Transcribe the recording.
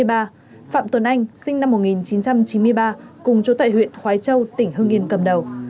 phạm tuấn anh sinh năm một nghìn chín trăm chín mươi ba cùng chú tại huyện khói châu tỉnh hương yên cầm đầu